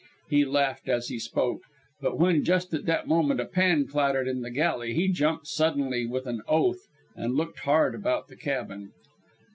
'" He laughed as he spoke, but when, just at that moment, a pan clattered in the galley, he jumped suddenly with an oath, and looked hard about the cabin.